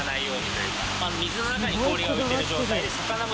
水の中に氷が浮いてる状態で皸貊錣